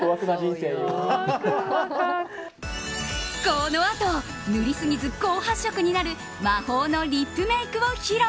このあと塗りすぎず高発色になる魔法のリップメイクを披露。